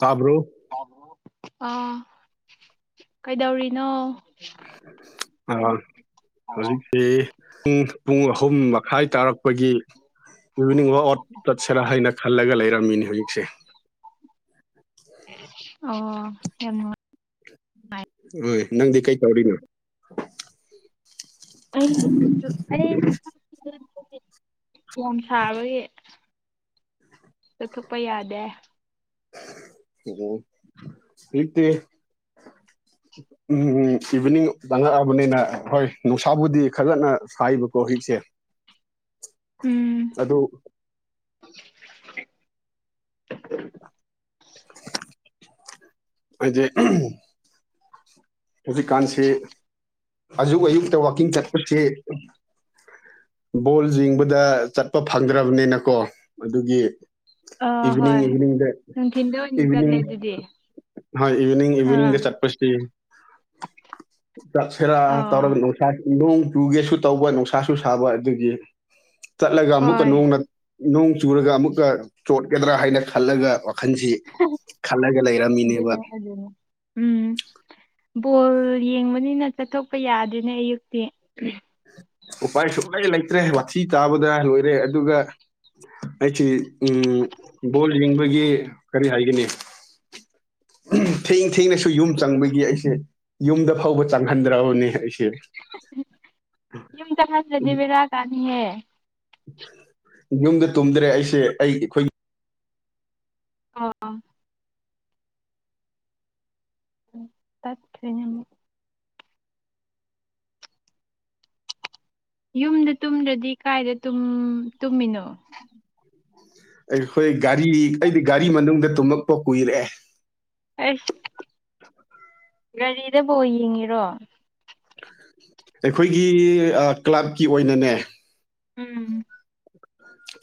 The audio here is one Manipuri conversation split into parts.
ꯇꯥꯕ꯭ꯔꯣ ꯑꯥ ꯀꯩꯗꯧꯔꯤꯅꯣ ꯑ ꯍꯧꯖꯤꯛꯁꯤꯦ ꯄꯨꯡ ꯑꯍꯨꯝ ꯍꯥꯏ ꯇꯥꯔꯛꯄꯒꯤ ꯏꯚꯤꯅꯤꯡ ꯋꯥꯛ ꯑꯠ ꯆꯠꯁꯔꯥ ꯍꯥꯏꯅ ꯈꯜꯂꯒ ꯂꯩꯔꯝꯃꯤꯅꯤ ꯍꯧꯖꯤꯛꯁꯦ ꯑ ꯑꯣ ꯌꯥꯝꯣ ꯍꯣꯏ ꯅꯪꯗꯤ ꯀꯩ ꯇꯧꯔꯤꯅꯣ ꯑꯩ ꯑꯩ [unintelligible] ꯁꯥꯕꯒꯤ ꯆꯠꯊꯣꯛꯄ ꯌꯥꯗꯦ ꯑꯣ ꯏꯠꯇ ꯎꯝ ꯏꯚꯤꯅꯤꯡ ꯆꯪꯉꯛꯑꯕꯅꯤꯅ ꯍꯣꯏ ꯅꯨꯡꯁꯥꯕꯨꯗꯤ ꯈꯖꯅ ꯁꯕꯀꯣ ꯍꯧꯖꯤꯛꯁꯦ [unintelligible] ꯎꯝ ꯑꯗꯨ [unintelligible] ꯍꯥꯏꯦ ꯍꯧꯖꯤꯛꯀꯥꯟꯁꯤ ꯑꯌꯨꯛ ꯑꯌꯨꯛꯇ ꯋꯥꯋꯀꯤꯡ ꯆꯠꯄꯁꯤ ꯕꯣꯜ ꯌꯦꯡꯕꯗ ꯆꯠꯄ ꯐꯪꯗ꯭ꯔꯕꯅꯤꯅꯀꯣ ꯑꯗꯨꯒꯤ ꯑꯥ ꯏꯚꯅꯤꯡ ꯍꯣꯏ ꯏꯚꯅꯤꯡ ꯗ ꯅꯨꯡꯊꯤꯟꯗ ꯑꯣꯏꯅ ꯏꯚꯅꯤꯡ ꯆꯠꯂꯦ ꯑꯗꯨꯗꯤ ꯍꯣꯏ ꯏꯚꯤꯅꯤꯡ ꯏꯚꯤꯅꯤꯡꯗ ꯑꯥ ꯆꯠꯄꯁꯤ ꯑꯣ [unintelligible] ꯅꯣꯡ ꯆꯨꯒꯦꯁꯨ ꯇꯧꯕ ꯅꯨꯡꯁꯥꯁꯨ ꯁꯥꯕ ꯑꯗꯨꯒꯤ ꯆꯠꯂꯒ ꯑꯃꯨꯛꯀ ꯍꯣꯏ ꯅ ꯅꯣꯡ ꯆꯨꯔꯒ ꯑꯃꯨꯛꯀ ꯆꯣꯠꯀꯗ꯭ꯔꯥ ꯍꯥꯏꯅ ꯈꯜꯂꯒ ꯃꯈꯜꯁꯤ ꯈꯜꯂꯒ ꯂꯩꯔꯝꯃꯤꯅꯦꯕ [unintelligible] ꯎꯝ ꯕꯣꯜ ꯌꯦꯡꯕꯅꯤꯅ ꯆꯠꯊꯣꯛꯄ ꯌꯥꯗꯦꯅꯦ ꯑꯌꯨꯛꯇꯤ ꯎꯄꯥꯏ ꯁꯨꯛꯂꯩ ꯂꯩꯇ꯭ꯔꯦ ꯋꯥꯊꯤ ꯇꯥꯕꯗ ꯂꯣꯏꯔꯦ ꯑꯗꯨꯒ ꯑꯩꯁꯤ ꯎꯝ ꯕꯣꯜ ꯌꯦꯡꯕꯒꯤ ꯀꯔꯤ ꯍꯥꯏꯒꯅꯤ ꯊꯦꯡ ꯊꯦꯡꯅꯁꯨ ꯌꯨꯝ ꯆꯪꯕꯒꯤ ꯑꯩꯁꯦ ꯌꯨꯝꯗ ꯐꯥꯎꯕ ꯆꯪꯍꯟꯗ꯭ꯔꯕꯅꯦ ꯑꯩꯁꯦ ꯌꯨꯝꯗꯪꯍꯜꯂꯗꯤ ꯦꯔꯥ ꯀꯥꯅꯤꯍꯦ ꯌꯨꯝꯗ ꯇꯨꯝꯗ꯭ꯔꯦ ꯑꯩꯁꯦ ꯑꯩ ꯑꯩꯈꯣꯏ ꯑꯥ ꯇꯞ ꯌꯥꯝ ꯌꯨꯝꯗ ꯇꯨꯝꯗ꯭ꯔꯗꯤ ꯀꯥꯏꯗ ꯇꯨꯝꯃꯤꯅꯣ ꯑꯩꯈꯣꯏ ꯒꯥꯔꯤ ꯑꯩꯗꯤ ꯒꯥꯔꯤ ꯃꯅꯨꯡꯗ ꯇꯨꯝꯃꯛꯄ ꯀꯨꯏꯔꯑꯦ ꯑꯁ ꯒꯥꯔꯤꯗꯐꯥꯎ ꯌꯦꯡꯉꯤꯔꯣ ꯑꯩꯈꯣꯏꯒꯤ ꯀ꯭ꯂꯕꯀꯤ ꯑꯣꯏꯅꯅꯦ ꯎꯝ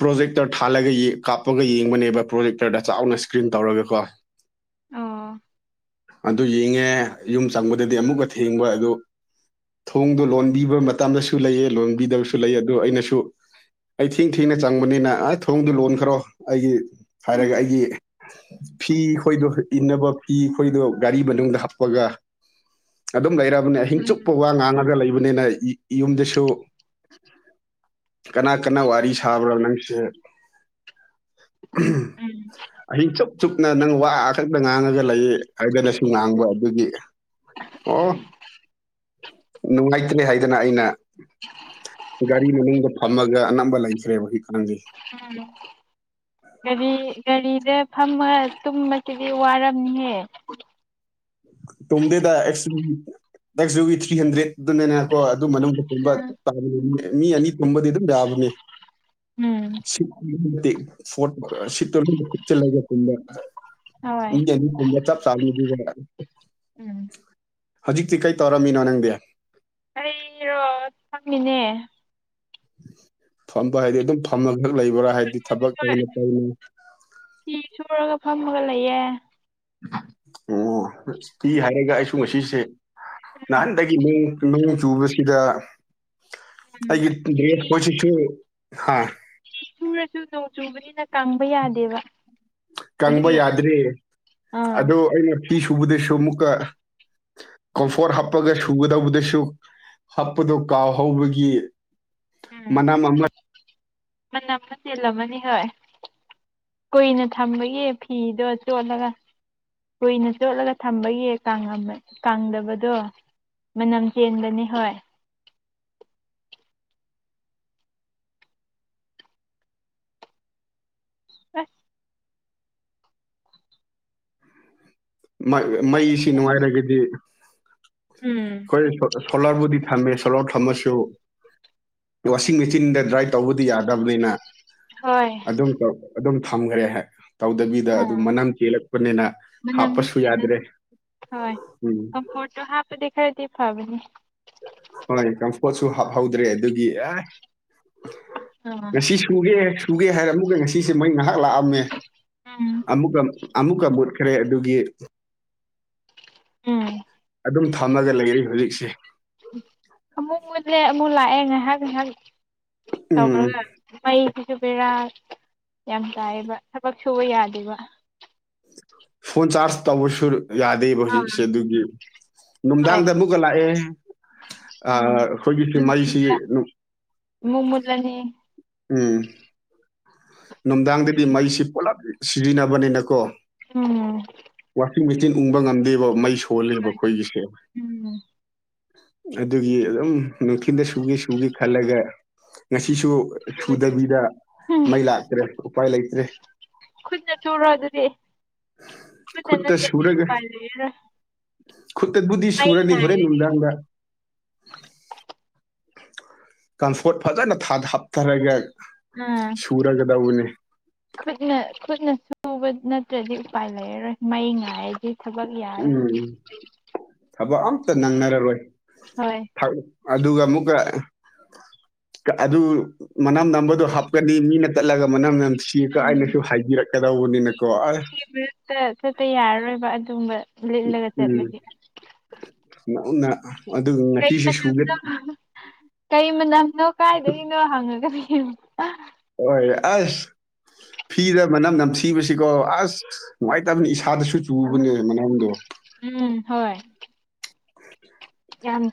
ꯄ꯭ꯔꯣꯖꯦꯛꯇꯔ ꯊꯥꯜꯂꯒ ꯀꯥꯞꯄꯒ ꯌꯦꯡꯕꯅꯦꯕ ꯄ꯭ꯔꯣꯖꯦꯛꯇꯔꯗ ꯆꯥꯎꯅ ꯏꯁꯀ꯭ꯔꯤꯟ ꯇꯧꯔꯒ ꯀꯣ ꯑꯣ ꯑꯗꯨ ꯌꯦꯡꯉꯦ ꯌꯨꯝ ꯆꯪꯕꯗꯗꯤ ꯑꯃꯨꯛꯀ ꯊꯦꯡꯕ ꯑꯗꯨ ꯊꯣꯡꯗꯣ ꯂꯣꯟꯕꯤꯕ ꯃꯇꯝꯗꯁꯨ ꯂꯩꯑ ꯂꯣꯟꯕꯤꯗꯕꯁꯨ ꯂꯩꯌꯦ ꯑꯗꯨ ꯑꯩꯅꯁꯨ ꯑꯩ ꯊꯤꯡ ꯊꯦꯡꯅ ꯆꯪꯕꯅꯤꯅ ꯑ ꯊꯣꯡꯗꯨ ꯂꯣꯟꯈ꯭ꯔꯣ ꯑꯩꯒꯤ ꯎꯝ ꯍꯥꯏꯔꯒ ꯑꯩꯒꯤ ꯐꯤ ꯈꯣꯏꯗꯣ ꯏꯟꯅꯕ ꯐꯤ ꯑꯩꯈꯣꯏꯗꯣ ꯒꯥꯔꯤ ꯃꯅꯨꯡꯗ ꯍꯥꯞꯄꯒ ꯑꯗꯨꯝ ꯂꯩꯔꯕꯅꯦ ꯑꯍꯤꯡ ꯎꯝ ꯆꯨꯞꯄ ꯋꯥ ꯉꯥꯡꯉꯒ ꯂꯩꯕꯅꯤꯅ ꯌꯨꯝꯗꯁꯨ ꯀꯅꯥ ꯀꯅꯥ ꯋꯥꯔꯤ ꯁꯥꯕ꯭ꯔ ꯅꯪꯒꯤꯁꯦ ꯎꯝ ꯑꯍꯤꯡ ꯆꯨꯞ ꯆꯨꯞꯅ ꯅꯪ ꯋꯥꯈꯛꯇ ꯉꯥꯡꯉꯒ ꯂꯩꯌꯦ ꯍꯥꯏꯗꯅꯁꯨ ꯉꯥꯡꯕ ꯑꯗꯨꯒꯤ ꯑꯣ ꯅꯨꯡꯉꯥꯏꯇ꯭ꯡꯔꯦ ꯍꯥꯏꯗꯅ ꯑꯩꯅ ꯒꯥꯔꯤ ꯃꯅꯤꯡꯗ ꯐꯝꯃꯒ ꯑꯅꯝꯕ ꯂꯩꯈ꯭ꯔꯦꯕ [unintelligible] ꯍꯝ ꯒꯥꯔꯤ ꯒꯥꯔꯤꯖꯦ ꯐꯝꯃꯒ ꯇꯨꯝꯕꯁꯤꯗꯤ ꯋꯥꯔꯝꯅꯤꯍꯦ ꯇꯨꯝꯗꯦꯗ ꯑꯩꯁꯨ ꯅꯪꯁꯨ ꯊ꯭ꯔꯤ ꯍꯟꯗ꯭ꯔꯦꯠ ꯑꯗꯨꯅꯅꯦꯀꯣ ꯑꯗꯨ ꯃꯅꯨꯡꯗꯨꯝꯕ ꯃꯤ ꯑꯅꯤ ꯄꯨꯝꯕꯗꯤ ꯑꯗꯨꯝ ꯌꯥꯕꯅꯦ ꯎꯝ ꯁꯤꯠꯀꯤ ꯃꯇꯤꯛ ꯐꯣꯔꯠ ꯁꯤꯠꯇꯣ ꯂꯣꯏ ꯀꯨꯞꯆꯜꯂꯒ ꯇꯨꯝꯕ ꯍꯣꯏ ꯃꯤ‌ ꯑꯅꯤꯀꯨꯝꯕ ꯇꯞ ꯆꯥꯕꯅꯦ ꯑꯗꯨꯒ ꯎꯝ ꯍꯧꯖꯤꯛꯇꯤ ꯀꯩ ꯇꯧꯔꯝꯃꯤꯅꯣ ꯅꯪꯗꯤ ꯑꯩꯔꯣ ꯐꯝꯃꯤꯅꯦ ꯐꯝꯕ ꯍꯥꯏꯗꯤ ꯑꯗꯨꯝ ꯐꯝꯃ ꯈꯛ ꯂꯩꯕ꯭ꯔꯥ ꯍꯥꯏꯕꯗꯤ ꯊꯕꯛ ꯍꯣꯏ ꯇꯧꯅ ꯇꯧꯅ ꯐꯤ ꯁꯨꯔꯒ ꯐꯝꯃꯒ ꯂꯩꯌꯦ ꯑꯣ ꯐꯤ ꯍꯥꯏꯔꯒ ꯑꯩꯁꯨ ꯉꯁꯤꯁꯦ ꯎꯝ ꯅꯍꯥꯟꯗꯒꯤ [unintelligible] ꯅꯣꯡ ꯆꯨꯕꯁꯤꯗ ꯎꯝ ꯑꯩꯒꯤ ꯗ꯭ꯔꯦꯁ ꯈꯣꯏꯁꯤꯁꯨ ꯍꯥ ꯐꯤ ꯁꯨꯔꯖꯨ‌ ꯅꯣꯡ ꯆꯨꯕꯅꯤꯗ ꯀꯪꯕ ꯌꯥꯗꯦꯕ ꯑꯗꯨꯒꯤ ꯑꯥ ꯍꯧꯏ ꯑꯩꯅ ꯐꯤ ꯁꯨꯕꯗꯁꯨ ꯑꯃꯨꯛꯀ ꯀꯝꯐꯣꯔꯠ ꯍꯥꯞꯄꯒ ꯁꯨꯒꯗꯧꯕꯗꯁꯨ ꯍꯥꯞꯄꯗꯣ ꯀꯥꯎꯍꯧꯕꯒꯤ ꯎꯝ ꯃꯅꯝ ꯑꯃ ꯃꯅꯝ ꯈꯔ ꯆꯣꯜꯂꯝꯃꯅꯤ ꯍꯣꯏ ꯀꯨꯏꯅ ꯊꯝꯕꯒꯤ ꯐꯤꯗꯣ ꯆꯣꯠꯂꯒ ꯀꯨꯏꯅ ꯆꯣꯠꯂꯒ ꯊꯝꯕꯒꯤ ꯀꯪꯉꯃ ꯀꯪꯗꯕꯗꯣ ꯃꯅꯝ ꯆꯦꯟꯕꯅꯦ ꯍꯣꯏ [unintelligible] ꯃꯩ ꯃꯩꯁꯤ ꯅꯨꯡꯉꯥꯏꯔꯒꯗꯤ ꯎꯝ ꯈꯣꯏ ꯁꯣꯂꯥꯔꯕꯨꯗꯤ ꯊꯝꯃꯦ ꯁꯣꯂꯔ ꯊꯝꯃꯁꯨ ꯋꯥꯁꯤꯡ ꯃꯦꯆꯤꯟꯗ ꯗ꯭ꯔꯥꯏ ꯇꯧꯕꯗꯤ ꯌꯥꯗꯕꯅꯤꯅ ꯍꯣꯏ ꯑꯗꯨꯝ ꯑꯗꯨꯝ ꯊꯝꯈ꯭ꯔꯦ ꯇꯧꯗꯕꯤꯗ ꯑꯗꯨ ꯑꯥ ꯃꯅꯝ ꯆꯦꯜꯂꯛꯄꯅꯤꯅ ꯃꯅꯝꯗꯤ ꯍꯥꯞꯄꯁꯨ ꯌꯥꯗ꯭ꯔꯦ ꯆꯦꯜꯂꯅꯤ ꯍꯣꯏ ꯎꯝ ꯀꯝꯐꯣꯔꯠꯇꯣ ꯍꯥꯞꯄꯗꯤ ꯈꯔꯗꯤ ꯐꯕꯅꯤ ꯍꯣꯏ ꯀꯝꯐꯣꯠꯁꯨ ꯍꯥꯞꯍꯧꯗ꯭ꯔꯦ ꯑꯗꯨꯒꯤ ꯑꯦ ꯑꯥ ꯉꯁꯤꯁꯨ ꯁꯨꯒꯦ ꯁꯨꯒꯦ ꯍꯥꯏꯔ ꯑꯃꯨꯒ ꯉꯁꯤꯁꯦ ꯃꯩ ꯉꯥꯏꯍꯥꯛ ꯂꯥꯛꯑꯝꯃꯦ ꯎꯝ ꯑꯃꯨꯛꯀ ꯑꯃꯨꯛꯀ ꯃꯨꯠꯈ꯭ꯔꯦ ꯑꯗꯨꯒꯤ ꯎꯝ ꯑꯗꯨꯝ ꯊꯝꯃꯒ ꯂꯩꯔꯦ ꯍꯧꯖꯤꯛꯁꯦ ꯑꯃꯨꯛ ꯃꯨꯠꯂꯦ ꯑꯃꯨꯛ ꯂꯥꯛꯑꯦ ꯉꯥꯏꯍꯥꯛ ꯉꯥꯏꯍꯥꯛ ꯇꯧꯔꯒ ꯎꯝ ꯃꯩꯁꯤꯁꯨ ꯕꯦꯔꯥ ꯌꯥꯝ ꯇꯥꯏꯌꯦꯕ ꯊꯕꯛ ꯁꯨꯕ ꯌꯥꯗꯦꯕ ꯐꯣꯟ ꯆꯥꯔꯖ ꯇꯧꯕꯁꯨ ꯌꯥꯗꯦꯕ ꯍꯧꯖꯤꯛꯁꯦ ꯑꯥ ꯑꯗꯨꯒꯤ ꯍꯣꯏ ꯅꯨꯡꯗꯥꯡꯗ ꯑꯃꯨꯛꯀ ꯂꯥꯛꯑꯦ ꯑ ꯎꯝ ꯑꯩꯈꯣꯏꯒꯤ ꯃꯩꯁꯤ ꯅꯨꯡꯊꯤꯟꯗ ꯑꯃꯨꯛ ꯃꯨꯠꯂꯅꯤ ꯎꯝ ꯅꯨꯡꯗꯥꯡꯗꯗꯤ ꯃꯩꯁꯤ ꯄꯨꯂꯞ ꯁꯤꯖꯤꯟꯅꯕꯅꯤꯅꯀꯣ ꯎꯝ ꯋꯥꯁꯤꯡ ꯃꯦꯆꯤꯟ ꯎꯪꯕ ꯉꯝꯗꯦꯕ ꯃꯩ ꯁꯣꯜꯂꯦꯕ ꯑꯩꯈꯣꯏꯒꯤꯁꯦ ꯎꯝ ꯑꯗꯨꯒꯤ ꯑꯗꯨꯝ ꯅꯨꯡꯊꯤꯜꯗ ꯁꯨꯒꯦ ꯁꯨꯒꯦ ꯈꯜꯂꯒ ꯉꯁꯤꯁꯨ ꯁꯨꯗꯕꯤꯗ ꯎꯝ ꯃꯩ ꯂꯥꯛꯇ꯭ꯔꯦ ꯎꯄꯥꯏ ꯂꯩꯇ꯭ꯔꯦ ꯈꯨꯠꯅ ꯁꯨꯔꯣ ꯑꯗꯨꯗꯤ ꯈꯨꯠꯅ ꯈꯨꯠꯇ ꯅꯠꯇ꯭ꯔꯗꯤ ꯁꯨꯔꯒ ꯎꯄꯥꯏ ꯂꯩꯔꯔꯣꯏ ꯈꯨꯠꯇꯠꯕꯨꯗꯤ ꯃꯩ ꯁꯨꯔꯅꯤ ꯍꯣꯔꯦꯟ ꯉꯥꯏꯔꯗꯤ ꯅꯨꯡꯗꯥꯡꯗ ꯀꯥꯝꯐꯣꯠ ꯐꯖꯅ ꯊꯥꯊ ꯍꯥꯞꯊꯔꯒ ꯎꯝ ꯁꯨꯔꯒꯗꯧꯕꯅꯤ ꯈꯨꯠꯅ ꯈꯨꯠꯅ ꯁꯨꯕ ꯅꯠꯇ꯭ꯔꯗꯤ ꯎꯄꯥꯏ ꯂꯩꯔꯔꯣꯏ ꯃꯩ ꯉꯥꯏꯔꯗꯤ ꯊꯕꯛ ꯌꯥꯔꯔꯣꯏ ꯎꯝ ꯊꯕꯛ ꯑꯝꯇ ꯅꯪꯅꯔꯔꯣꯏ ꯍꯣꯏ [unintelligible] ꯑꯗꯨꯒ ꯑꯃꯨꯛꯀ ꯑꯗꯨ ꯃꯅꯝ ꯅꯝꯕꯗꯨ ꯍꯥꯞꯀꯅꯤ ꯃꯤꯅ ꯇꯠꯂꯒ ꯃꯅꯝ ꯅꯝ ꯁꯤꯒ ꯎꯝ ꯀꯥꯏꯅꯁꯨ ꯍꯥꯏꯕꯤꯔꯛꯀꯗꯧꯕꯅꯤꯅꯀꯣ ꯑ ꯆꯠ ꯆꯠꯄ ꯌꯥꯔꯔꯣꯏꯕ ꯑꯗꯨꯒꯨꯝꯕ ꯂꯤꯠꯂꯒ ꯆꯠꯂꯗꯤ ꯉꯪꯅ ꯑꯗꯨꯒ ꯀꯩ ꯉꯁꯤꯁꯨꯦ ꯁꯨꯒꯦ ꯃꯅꯝꯅꯣ ꯀꯩ ꯃꯅꯝꯅꯣ ꯀꯥꯏꯗꯒꯤꯅꯣ ꯍꯪꯉ [unintelligible] ꯍꯣꯏ ꯑꯁ ꯐꯤꯗ ꯃꯅꯝ ꯅꯝꯊꯤꯕꯁꯤꯀꯣ ꯑꯁ ꯅꯨꯡꯉꯥꯏꯇꯕꯅꯤ ꯏꯁꯥꯗꯁꯨ ꯆꯨꯕꯅꯦ ꯃꯅꯝꯗꯣ ꯎꯝ ꯍꯣꯏ [unintelligible] ꯌꯥꯝ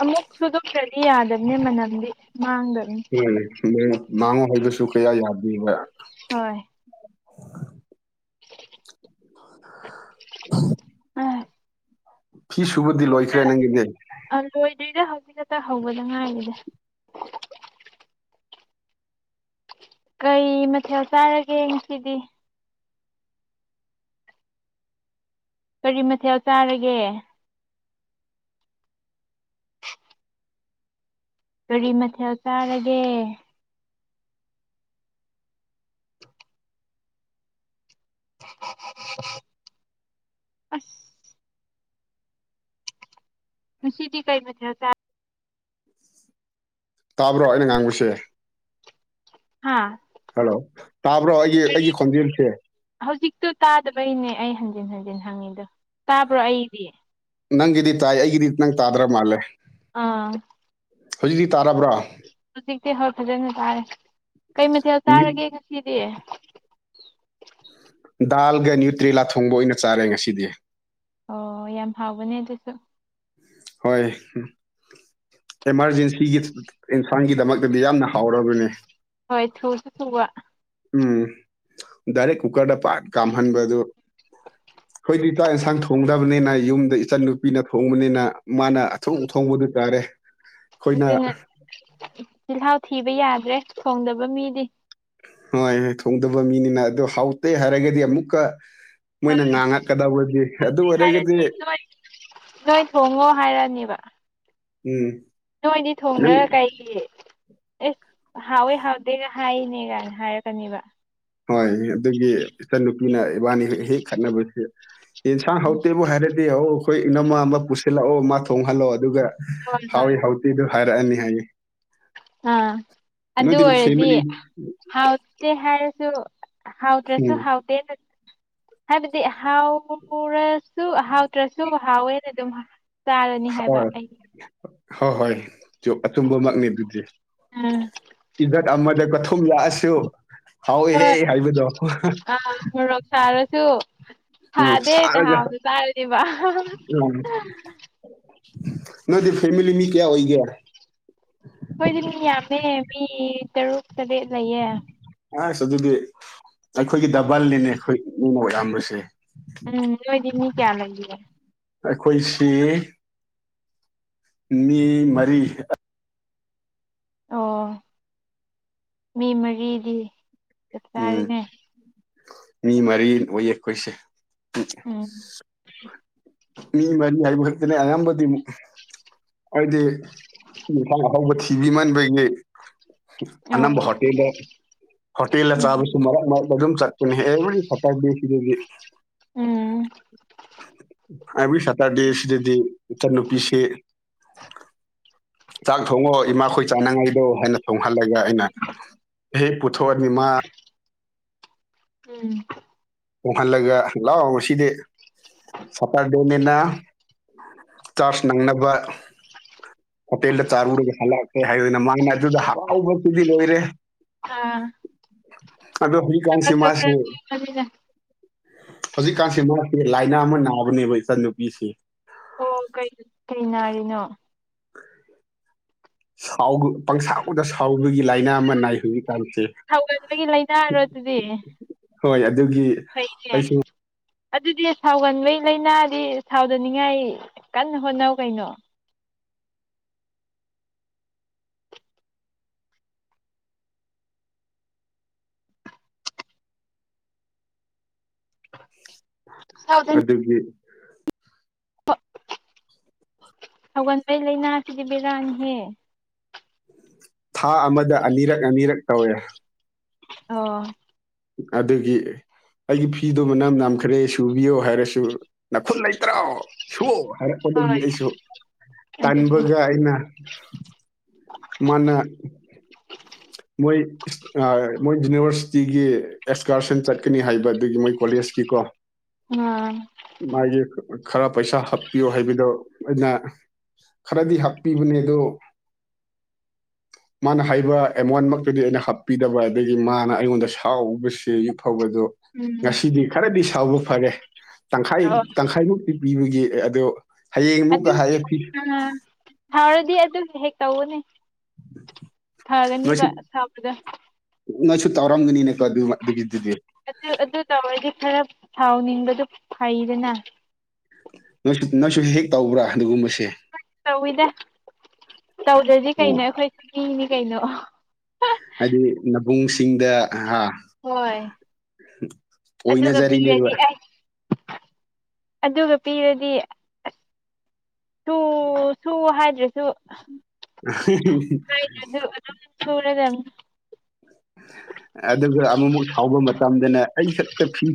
ꯑꯃꯨꯛ ꯁꯨꯗꯣꯛꯇ꯭ꯔꯗꯤ ꯌꯥꯗꯕꯅꯦ ꯃꯅꯝꯗꯤ ꯃꯥꯡꯗꯕꯅꯤ [unintelligible] ꯃꯥꯡꯉꯨ ꯍꯥꯏꯕꯁꯨ ꯀꯌꯥ ꯌꯥꯗꯦꯕ ꯍꯣꯏ [unintelligible] [unintelligible] ꯐꯤ ꯁꯨꯕꯗꯤ ꯂꯣꯏꯈ꯭ꯔꯦ ꯅꯪꯒꯤꯗꯤ ꯑ ꯂꯣꯏꯗꯣꯏꯗ ꯍꯧꯖꯤꯛ ꯈꯛꯇ ꯍꯧꯕꯗ ꯉꯥꯏꯔꯤꯅꯦ ꯀꯩ ꯃꯊꯦꯜ ꯆꯥꯔꯒꯦ ꯁꯤꯗꯤ ꯀꯔꯤ ꯃꯊꯦꯜ ꯆꯥꯔꯒꯦ ꯀꯔꯤ ꯃꯊꯦꯜ ꯆꯥꯔꯒꯦ [unintelligible] ꯑꯁ ꯁꯤꯗꯤ ꯀꯩ ꯃꯦꯦ ꯇꯥꯕ꯭ꯔꯣ ꯑꯩꯅ ꯉꯥꯡꯕꯁꯦ ꯍꯥꯥ ꯍꯜꯂꯣ ꯇꯥꯕ꯭ꯔꯣ ꯑꯩꯒꯤ ꯑꯩꯒꯤ ꯈꯣꯟꯖꯦꯜꯁꯦ ꯍꯧꯖꯤꯛꯇꯣ ꯇꯥꯗꯕꯩꯅꯦ ꯑꯩ ꯍꯟꯖꯤꯟ ꯍꯟꯖꯤꯟ ꯍꯪꯉꯤꯗꯣ ꯇꯥꯕ꯭ꯔꯣ ꯑꯩꯗꯤ ꯅꯪꯒꯤꯗꯤ ꯇꯥꯏ ꯑꯩꯒꯤꯗꯤ ꯅꯪ ꯇꯥꯗ꯭ꯔ ꯃꯥꯜꯂꯦ ꯑꯥ ꯍꯧꯖꯤꯛꯇꯤ ꯇꯥꯔꯕ꯭ꯔꯥ ꯍꯧꯖꯤꯛꯇꯤ ꯍꯣꯏ ꯐꯖꯅ ꯇꯥꯔꯦ ꯀꯩ ꯃꯊꯦꯜ ꯃ꯭ꯌꯨꯠ ꯆꯥꯔꯒꯦ ꯉꯁꯤꯗꯤ ꯗꯥꯜꯒ ꯅ꯭ꯌꯨꯇ꯭ꯔꯔꯤ ꯂꯥꯊꯣꯡꯕ ꯑꯣꯏꯅ ꯆꯥꯔꯦ ꯉꯁꯤꯗꯤ ꯑꯣ ꯌꯥꯝ ꯍꯥꯎꯕꯅꯦ ꯑꯗꯨꯁꯨ ꯍꯣꯏ ꯑꯦꯃꯥꯔꯖꯦꯟꯁꯤꯒꯤ ꯏꯟꯁꯥꯡꯒꯤꯗꯃꯛ ꯑꯗꯨꯗꯤ ꯌꯥꯝꯅ ꯍꯥꯎꯔꯕꯅꯤ ꯍꯣꯏ ꯊꯨꯁꯨ ꯊꯨꯕ ꯎꯝ ꯗꯥꯏꯔꯦꯛ ꯀꯨꯀꯔꯗ ꯄꯠ ꯀꯥꯝꯍꯟꯕꯗꯨ ꯑꯩꯈꯣꯏꯗꯤ ꯆꯥꯛ ꯏꯟꯁꯥꯡ ꯊꯣꯡꯗꯕꯅꯤꯅ ꯌꯨꯝꯗ ꯏꯆꯟ ꯅꯨꯄꯤꯅ ꯊꯣꯡꯕꯅꯤꯅ ꯃꯥꯅ ꯑꯊꯣꯡ ꯑ ꯊꯣꯡꯕꯗꯨ ꯇꯥꯔꯦ ꯑꯗꯨꯅ ꯆꯤꯜꯍꯥꯎ ꯊꯤꯕ ꯌꯥꯗ꯭ꯔꯦ ꯊꯣꯡꯗꯕ ꯃꯤꯗꯤ ꯍꯣꯏꯣꯏ ꯊꯣꯡꯗꯕ ꯃꯤꯅꯤꯅ ꯑꯗꯨꯣ ꯍꯥꯎꯇꯦ ꯍꯥꯏꯔꯒꯗꯤ ꯑꯃꯨꯛꯀ ꯃꯣꯏꯅ ꯍꯣꯏ ꯉꯥꯡꯉꯛꯀꯗꯕꯗꯤ ꯑꯗꯨ ꯑꯣꯏꯔꯒꯗꯤ ꯍꯥꯏꯔꯗꯤ ꯅꯣꯏ ꯅꯣꯏ ꯊꯣꯡꯉꯣ ꯍꯥꯏꯔꯅꯦꯕ ꯎꯝ ꯅꯣꯏꯗꯤ ꯅꯪ ꯊꯣꯡꯗꯔ ꯀꯩꯒꯤ ꯑꯦꯁ ꯍꯥꯎꯋꯦ ꯍꯥꯎꯗꯦꯒ ꯍꯥꯏꯔꯤꯅꯦꯒꯥꯏꯅ ꯍꯥꯏꯔꯛꯀꯅꯦꯕ ꯍꯣꯏ ꯑꯗꯨꯒꯤ ꯏꯆꯟꯅꯨꯄꯤꯅ ꯏꯕꯥꯅꯤ ꯍꯦꯛ ꯍꯦꯛ ꯈꯠꯅꯕꯁꯦ ꯌꯦꯟꯁꯥꯡ ꯎꯝ ꯍꯧꯇꯦꯕꯨ ꯍꯥꯏꯔꯗꯤ ꯍꯧ ꯑꯩꯈꯣꯏ ꯏꯅꯃ ꯑꯃ ꯄꯨꯁꯤꯜꯂꯛꯑꯣ ꯑꯃ ꯊꯣꯡꯍꯜꯂꯛꯑꯣ ꯑꯗꯨꯒ ꯍꯣꯏ ꯍꯥꯎꯏ ꯍꯣꯏ ꯍꯥꯎꯇꯤꯗꯨ ꯍꯥꯏꯔꯛꯑꯅꯤ ꯍꯥꯏꯌꯦ ꯑꯥ ꯑꯗꯨ ꯅꯣꯏꯗꯤ ꯑꯣꯏꯔꯗꯤ ꯐꯦꯃꯤꯂꯤ ꯍꯥꯎꯇꯦ ꯍꯥꯏꯔꯁꯨ ꯍꯥꯎꯗ꯭ꯔꯁꯨ ꯎꯝ ꯍꯥꯎꯇꯦ ꯍꯥꯏꯕꯗꯤ ꯍꯥꯎꯔ ꯁꯨ ꯍꯥꯎꯇ꯭ꯔꯁꯨ ꯍꯥꯎꯋꯦꯅ ꯑꯗꯨꯝ ꯆꯥꯔꯅꯤ ꯍꯥꯏꯕ ꯍꯣꯏ ꯑꯩ ꯍꯣꯏꯍꯣꯏ ꯑꯆꯨꯝꯕꯃꯛꯅꯤ ꯑꯗꯨꯗꯤ ꯎꯝ ꯏꯖꯠ ꯑꯃꯗ ꯀꯊꯨꯝ ꯂꯥꯛꯑꯁꯣ ꯍꯥꯎꯍꯦ ꯍꯣꯏ ꯍꯥꯏꯕꯗꯣ [unintelligible] ꯁꯥꯔꯁꯨ ꯎꯝ ꯊꯥꯗꯦ ꯁꯥꯔꯒ ꯇꯍꯥꯎꯕꯗ ꯆꯥꯔꯗꯤꯕ ꯅꯪꯗꯤ ꯐꯦꯃꯤꯂꯤ ꯃꯤ ꯀꯌꯥ ꯑꯣꯏꯒꯦ ꯑꯩꯈꯣꯏꯗꯤ ꯃꯤ ꯌꯥꯝꯃꯦ ꯃꯤ ꯇꯔꯨꯛ ꯇꯔꯦꯠ ꯂꯩꯌꯦ ꯑꯁ ꯑꯗꯨꯗꯤ ꯑꯩꯈꯣꯏꯒꯤ ꯗꯕꯜꯅꯤꯅꯦ ꯑꯩꯈꯣꯏ ꯃꯤꯅ ꯑꯣꯏꯔꯝꯕꯁꯦ ꯎꯝ ꯅꯣꯏꯗꯤ ꯃꯤ ꯀꯌꯥꯝ ꯂꯩꯒꯒꯦ ꯑꯩꯈꯣꯏꯁꯤ ꯃꯤ ꯃꯔꯤ ꯑꯣ ꯃꯤ ꯃꯔꯤꯗꯤ ꯆꯞ ꯎꯝ ꯆꯥꯔꯦꯅꯦ ꯃꯤ ꯃꯔꯤ ꯑꯣꯏꯌꯦ ꯑꯩꯈꯣꯏꯁꯦ ꯎꯝ ꯃꯤ ꯃꯔꯤ ꯍꯥꯏꯕ ꯈꯛꯇꯅꯦ ꯑꯌꯥꯝꯕꯗꯤꯛ ꯍꯥꯏꯗꯤ ꯅꯨꯡꯁꯥꯡ ꯑꯊꯧꯕ ꯊꯤꯕꯤꯃꯟꯕꯒꯤ ꯑꯣ ꯑꯅꯝꯕ ꯍꯣꯇꯦꯜꯗ ꯍꯣꯇꯦꯜꯗ ꯎꯝ ꯆꯥꯕꯁꯨ ꯃꯔꯛ ꯃꯔꯛꯇ ꯑꯗꯨꯝ ꯆꯠ ꯍꯦꯕ ꯁꯇꯥꯁꯤꯗꯗꯤ ꯎꯝ ꯑ ꯁꯇꯗꯤꯁ ꯑꯗꯨꯗꯤ ꯏꯆꯟꯅꯨꯄꯤꯁꯤ ꯆꯥꯛ ꯊꯣꯡꯉꯣ ꯏꯃꯥꯈꯣꯏ ꯆꯥꯅꯉꯥꯏꯗꯣ ꯍꯥꯏꯅ ꯇꯣꯡꯍꯜꯂꯒ ꯑꯩꯅ ꯍꯦꯛ ꯄꯨꯊꯣꯛꯑꯅꯤꯃ ꯎꯝ ꯇꯣꯡꯍꯜꯂꯒ ꯂꯥꯛꯑꯣ ꯉꯗꯤ ꯁꯥꯇꯔꯗꯣꯅꯤꯅ ꯆꯥꯔꯖ ꯅꯪꯅꯕ ꯍꯣꯄꯦꯜꯗ ꯆꯥꯔꯨꯔꯒ ꯍꯜꯂꯛꯀꯦ ꯍꯥꯏꯅ ꯃꯥꯅ ꯑꯗꯨꯗ ꯍꯔꯥꯎꯕꯕꯁꯤꯗꯤ ꯂꯣꯏꯔꯦ ꯑꯥ ꯑꯗꯣ ꯍꯣꯏ ꯀ ꯀꯃꯤ ꯍꯧꯖꯤꯛꯀꯥꯟꯁꯤ ꯃꯥꯁꯦ ꯂꯥꯏꯅꯥ ꯑꯃ ꯅꯥꯕꯅꯦꯕ ꯏꯆꯟꯅꯨꯄꯤꯁꯦ ꯑꯣ ꯀꯩ ꯀꯩ ꯅꯥꯔꯤꯅꯣ ꯁꯥꯎꯒ ꯄꯪꯁ ꯗ ꯁꯥꯎꯕꯒꯤ ꯂꯥꯏꯅꯥ ꯑꯃ ꯅꯥꯏ ꯍꯧꯖꯤꯛꯀꯥꯟꯁꯦ ꯁꯥꯎꯒꯟꯕꯒꯤ ꯂꯩꯅꯥꯔꯣ ꯍꯣꯏ ꯑꯗꯨꯒꯤ ꯊꯩꯁꯦ ꯑꯩꯁꯨ ꯑꯗꯨꯗꯤ ꯁꯥꯎꯒꯟꯕꯩ ꯂꯥꯏꯅꯥꯗꯤ ꯁꯥꯎꯗꯅꯤꯡꯉꯥꯏ ꯀꯟꯅ ꯍꯣꯠꯅꯧ ꯀꯩꯅꯣ ꯍ ꯑꯗꯨꯗꯒꯤ ꯍ ꯍꯧꯒꯟꯕꯩ ꯂꯥꯏꯅꯥꯁꯤꯗꯤ ꯕꯤꯔꯥꯡꯍꯦ ꯊꯥ ꯑꯃꯗ ꯑꯅꯤꯔꯛ ꯑꯅꯤꯔꯛ ꯇꯧꯋꯦ ꯑꯣ ꯑꯗꯨꯒꯤ ꯑꯩꯒꯤ ꯐꯤꯗꯨꯣ ꯃꯅꯝ ꯅꯝꯈ꯭ꯔꯦ ꯁꯨꯕꯤꯌꯣ ꯍꯥꯏꯔꯁꯨ ꯅꯥꯈꯨꯟ ꯂꯩꯇ꯭ꯔꯣ ꯁꯨꯑꯣ ꯍꯥꯏꯔꯛꯄꯗꯒꯤ ꯍꯣꯏ ꯑꯩꯁꯨ ꯑꯗꯨꯅꯤ ꯇꯟꯥꯟꯕꯒ ꯑꯩꯅ ꯃꯥꯅ ꯃꯣꯏ ꯃꯣꯏ ꯌꯨꯅꯤꯚꯔꯁꯤꯇꯤꯒꯤ ꯑꯦꯛꯁꯀꯥꯔꯁꯟ ꯆꯠꯀꯅꯤ ꯍꯥꯏꯕ ꯑꯗꯨꯒꯤ ꯃꯣꯏ ꯀꯣꯂꯦꯖꯀꯤ ꯀꯣ [inaudible] ꯎꯝ ꯃꯥꯒꯤ ꯈꯔ ꯄꯩꯁꯥ ꯍꯥꯞꯄꯤꯌꯣ ꯍꯥꯏꯕꯗꯣ ꯑꯩꯅ ꯈꯔꯗꯤ ꯍꯥꯞꯄꯤꯕꯅꯦ ꯑꯗꯣ ꯃꯥꯅ ꯍꯥꯏꯕ ꯑꯦꯃꯣꯟꯃꯛꯇꯨꯗꯤ ꯑꯩꯅ ꯍꯥꯞꯄꯤꯗꯕ ꯑꯗꯒꯤ ꯃꯥꯅ ꯑꯩꯉꯣꯟꯗ ꯁꯥꯎꯕꯁꯦ ꯌꯛꯐꯕꯗꯣ ꯎꯝ ꯉꯁꯤꯗꯤ ꯈꯔꯗꯤ ꯁꯥꯎꯕ ꯐꯔꯦ ꯇꯪꯈꯥꯏ ꯑꯣ ꯇꯪꯈꯥꯏꯃꯨꯛꯇꯤ ꯄꯤꯕꯒꯤ ꯑꯗꯨ ꯑꯗꯨ ꯑ ꯊꯥꯎꯔꯗꯤ ꯑꯗꯨ ꯍꯦꯛ ꯇꯧꯒꯅꯦ ꯊꯥꯗꯅꯤ ꯅꯣꯏꯁꯨ ꯁꯄꯗ ꯅꯣꯏꯁꯨ ꯇꯧꯔꯝꯒꯅꯤꯅꯦꯀꯣ ꯑꯗꯨ ꯑꯗꯨꯒꯤꯗꯨꯗꯤ ꯑꯗꯨ ꯑꯗꯨ ꯇꯧꯔꯗꯤ ꯈꯔ ꯁꯥꯎꯅꯤꯡꯕꯗꯨ ꯐꯩꯗꯅ ꯅꯣꯏꯁꯨ ꯅꯣꯏꯁꯨ ꯍꯦꯛ ꯇꯧꯕ꯭ꯔꯥ ꯑꯗꯨꯒꯨꯝꯕꯁꯦ ꯇꯧꯋꯤꯗ ꯇꯧꯗ꯭ꯔꯗꯤ ꯑꯣ ꯀꯩꯅꯣ ꯑꯩꯈꯣꯏ ꯆꯤ ꯃꯤꯅꯤ ꯀꯩꯅꯣ ꯍꯥꯏꯗꯤ ꯅꯕꯨꯡꯁꯤꯡꯗ ꯍꯥ ꯍꯣꯏ ꯑꯗꯨꯒ ꯑꯣꯏꯅꯖꯔꯤꯅꯦꯕ ꯄꯤꯔꯗꯤ ꯑꯩ ꯑꯗꯨꯒ ꯄꯤꯔꯗꯤ ꯁꯨ ꯁꯨ ꯍꯥꯏꯗ꯭ꯔꯁꯨ [inaudible] ꯊꯧꯗꯝ ꯑꯗꯨꯒ ꯑꯃꯨꯃꯨꯛ ꯁꯥꯎꯕ ꯃꯇꯝꯗꯅ ꯑꯩ ꯈꯛꯇ ꯐꯤ